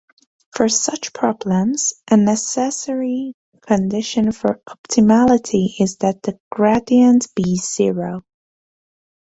For such problems, a necessary condition for optimality is that the gradient be zero.